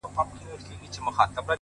پر ښايستوكو سترگو،